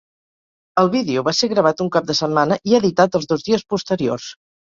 El vídeo va ser gravat un cap de setmana i editat els dos dies posteriors.